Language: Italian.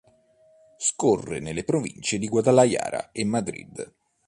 Scorre nelle provincie di Guadalajara e Madrid.